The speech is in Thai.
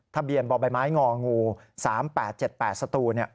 ทะเบียนบ่อใบไม้งองู๓๘๗๘สตูน